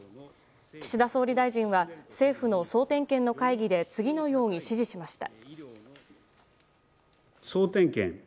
岸田総理大臣は政府の総点検の会議で次のように指示しました。